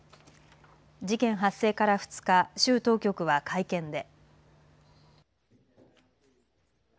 事件発生から２日、州当局は会見で。